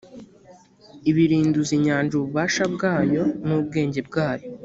ibirinduza inyanja ububasha bwayo n’ubwenge bwayo